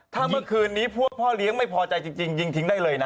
ถ้าเมื่อคืนนี้พวกพ่อเลี้ยงไม่พอใจจริงยิงทิ้งได้เลยนะ